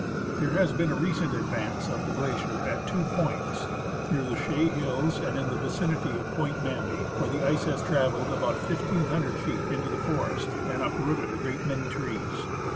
There has been a recent advance of the glacier at two points : near the Chaix Hills and in the vicinity of Point Manby, where the ice has travelled about 1,500 feet into the forest, and uprooted a great many trees.